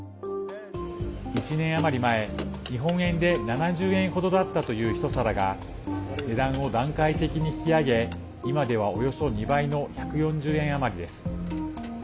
１年余り前、日本円で７０円ほどだったという一皿が値段を段階的に引き上げ今では、およそ２倍の１４０円余りです。